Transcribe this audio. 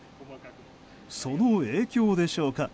その影響でしょうか。